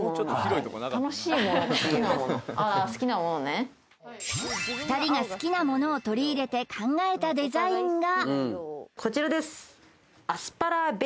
ああ好きなものね２人が好きなものを取り入れて考えたデザインがこちらです